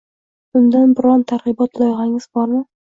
Undan biron targ‘ibot loyihangiz bormi?